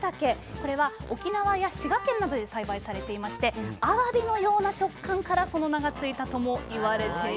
これは沖縄や滋賀県などで栽培されていましてあわびのような食感からその名が付いたとも言われています。